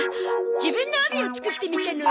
自分の帯を作ってみたの。